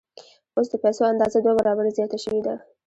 اوس د پیسو اندازه دوه برابره زیاته شوې ده